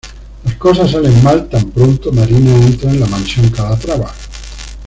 Las cosas salen mal tan pronto Marina entra en la mansión Calatrava.